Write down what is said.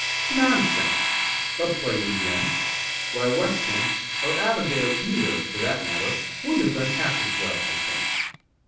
"Nonsense! They'll play you again. Why Weston or Avondale either, for that matter wouldn't have done half as well, I think."